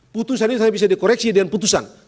putusan itu bisa dikoreksi dengan putusan